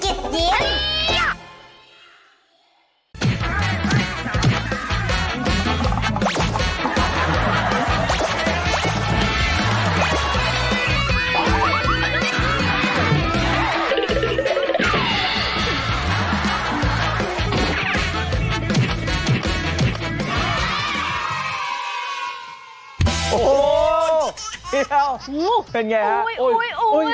โอ้โฮพี่แพล่วเป็นไง